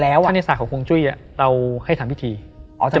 และวันนี้แขกรับเชิญที่จะมาเยี่ยมเยี่ยมในรายการสถานีผีดุของเรา